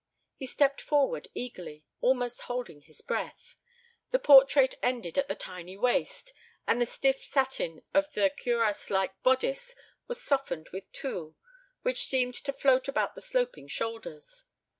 He stepped forward eagerly, almost holding his breath. The portrait ended at the tiny waist, and the stiff satin of the cuirass like bodice was softened with tulle which seemed to float about the sloping shoulders.